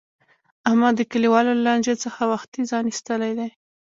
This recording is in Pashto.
احمد د کلیوالو له لانجې څخه وختي ځان ایستلی دی.